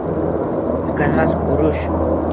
Tuganmas urush